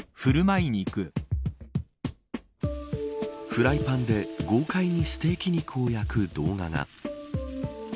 フライパンで豪快にステーキ肉を焼く動画が。